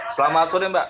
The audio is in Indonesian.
selamat sore mbak